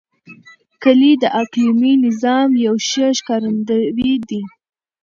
کلي د اقلیمي نظام یو ښه ښکارندوی دی.